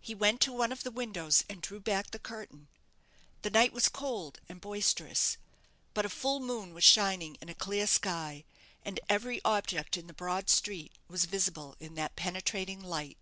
He went to one of the windows, and drew back the curtain. The night was cold and boisterous; but a full moon was shining in a clear sky, and every object in the broad street was visible in that penetrating light.